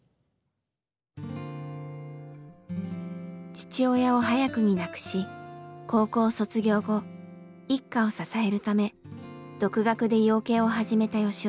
父親を早くに亡くし高校卒業後一家を支えるため独学で養鶏を始めた吉雄さん。